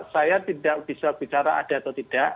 saya tidak bisa bicara ada atau tidak